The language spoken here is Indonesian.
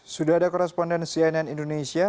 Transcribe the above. sudah ada koresponden cnn indonesia